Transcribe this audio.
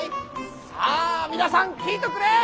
・さあ皆さん聞いとくれ！